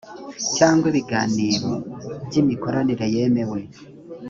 cyangwa ibiganiro by’imikoranire yemewe